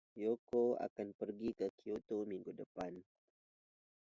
Yoko akan pergi ke Kyoto minggu depan.